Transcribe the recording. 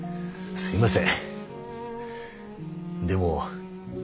すいません。